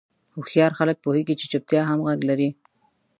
هوښیار خلک پوهېږي چې چوپتیا هم غږ لري.